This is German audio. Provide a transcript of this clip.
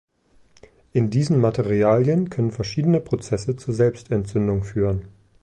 In diesen Materialien können verschiedene Prozesse zur Selbstentzündung führen.